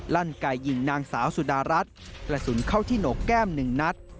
ลั่นไก่ยิงนางสาวสุดารัฐกระสุนเข้าที่หนกแก้ม๑นัด